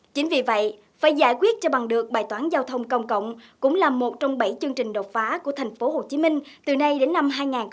chính vì vậy phải giải quyết cho bằng được bài toán giao thông công cộng cũng là một trong bảy chương trình đột phá của thành phố hồ chí minh từ nay đến năm hai nghìn hai mươi